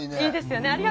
いいですよね。